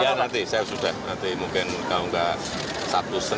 ya nanti saya sudah nanti mungkin kalau enggak sabtu senin